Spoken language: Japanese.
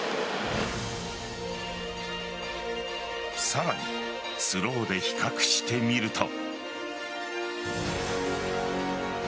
さらにスローで比較してみると。